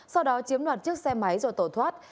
sau đó chiếm đoạt chiếc xe máy rồi tổ thoát